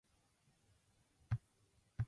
水は必要です